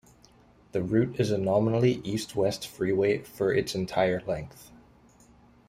The route is a nominally east-west freeway for its entire length.